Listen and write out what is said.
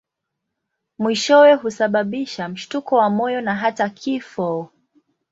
Mwishowe husababisha mshtuko wa moyo na hata kifo.